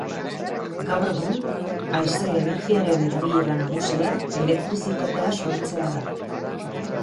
Gaur egun, haize-energiaren erabilera nagusia elektrizitatea sortzea da.